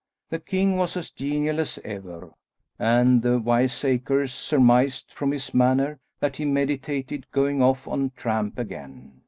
The king was as genial as ever, and the wiseacres surmised from his manner that he meditated going off on tramp again.